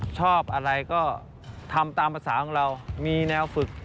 ชอบอะไรก็ทำตามภาษาของเรามีแนวฝึก